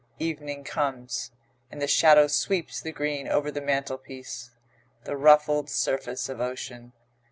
Evening comes, and the shadow sweeps the green over the mantelpiece; the ruffled surface of ocean.